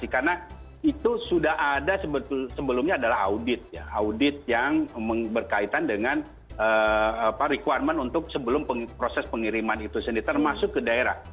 karena itu sudah ada sebelumnya adalah audit audit yang berkaitan dengan requirement untuk sebelum proses pengiriman itu sendiri termasuk ke daerah